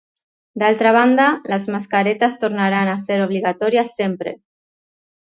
D'altra banda, les mascaretes tornaran a ser obligatòries sempre.